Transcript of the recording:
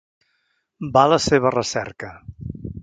Va a la seva recerca.